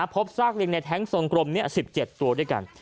พบซากลิงในแท้งทรงกรมนี้๑๗ตัวด้วยกัน